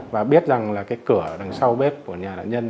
và biết rằng là cái cửa đằng sau bếp của nhà nạn nhân